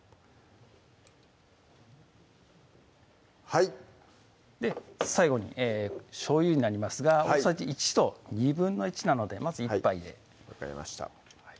１・２・３はい最後にしょうゆになりますが大さじ１と１／２なのでまず１杯で分かりました